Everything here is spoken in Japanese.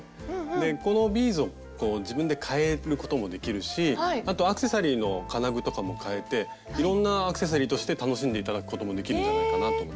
でこのビーズを自分で変えることもできるしあとアクセサリーの金具とかも変えていろんなアクセサリーとして楽しんで頂くこともできるんじゃないかなと思って。